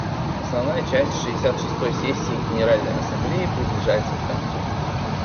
Основная часть шестьдесят шестой сессии Генеральной Ассамблеи приближается к концу.